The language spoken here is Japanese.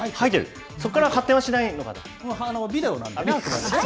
そこから発展はしないのかな